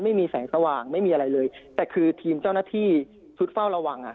ไม่มีแสงสว่างไม่มีอะไรเลยแต่คือทีมเจ้าหน้าที่ชุดเฝ้าระวังอ่ะ